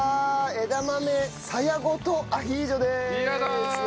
枝豆さやごとアヒージョです！